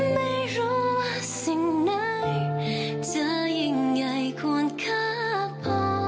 ไม่รู้ว่าสิ่งไหนจะยังไงควรข้าพอ